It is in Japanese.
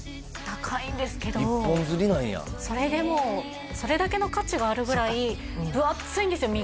高いんですけど一本釣りなんやそれでもそれだけの価値があるぐらい分厚いんですよ